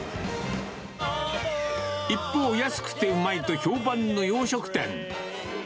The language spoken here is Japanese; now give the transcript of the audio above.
一方、安くてうまいと評判の洋食店。